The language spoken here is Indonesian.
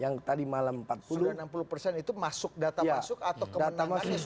yang tadi malam itu tadi seperti